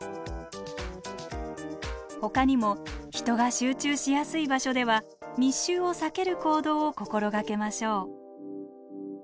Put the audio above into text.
ほかにも人が集中しやすい場所では密集を避ける行動を心掛けましょう。